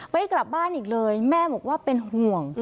ไม่กลับบ้านอีกเลยแม่บอกว่าเป็นห่วง